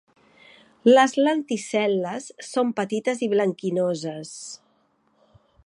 Les lenticel·les són petites i blanquinoses.